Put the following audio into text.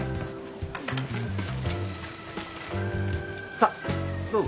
さあどうぞ。